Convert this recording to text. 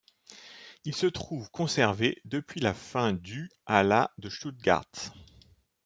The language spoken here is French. Il se trouve conservé depuis la fin du à la de Stuttgart.